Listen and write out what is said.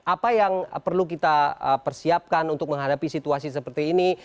apa yang perlu kita persiapkan untuk menghadapi situasi seperti ini